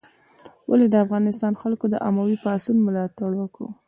ولې د افغانستان خلکو د اموي پاڅون ملاتړ وکړ؟